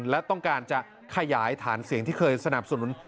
และต้องการจะขยายฐานเสียงที่เคยสนับสนุน